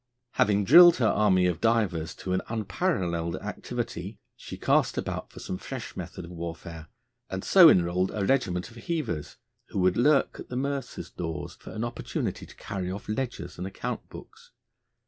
Having drilled her army of divers to an unparalleled activity, she cast about for some fresh method of warfare, and so enrolled a regiment of heavers, who would lurk at the mercers' doors for an opportunity to carry off ledgers and account books.